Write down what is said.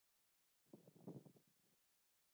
افغانستان تر هغو نه ابادیږي، ترڅو د کبانو روزنه عامه نشي.